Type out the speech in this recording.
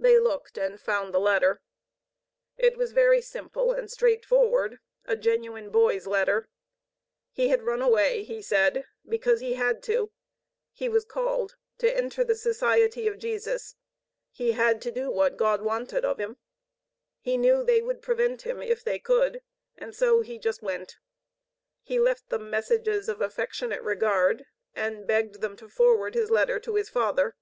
They looked and found the letter. It was very simple and straightforward, a genuine boy's letter. He had run away, he said, because he had to. He was called to enter the Society of Jesus. He had to do what God wanted of him. He knew they would prevent him if they could. And so he just went. He left them messages of affectionate regard, and begged them to forward his letter to his father.